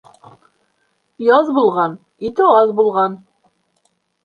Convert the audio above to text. Яҙ булған, ите аҙ булған.